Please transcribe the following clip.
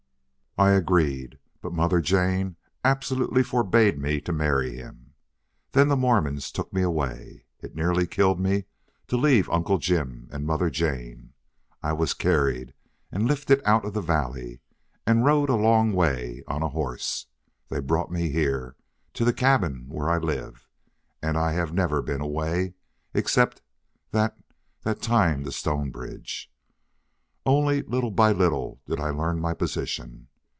"I agreed. But Mother Jane absolutely forbade me to marry him. Then the Mormons took me away. It nearly killed me to leave Uncle Jim and Mother Jane. I was carried and lifted out of the valley, and rode a long way on a horse. They brought me here, to the cabin where I live, and I have never been away except that that time to Stonebridge. Only little by little did I learn my position.